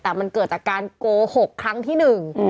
แต่มันเกิดจากการโกหกครั้งที่หนึ่ง